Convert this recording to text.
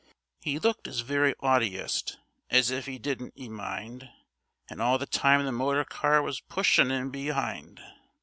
'E looked 'is very 'aughtiest, as if 'e didn't 'e mind, And all the time the motor car was pushin' 'im be'ind.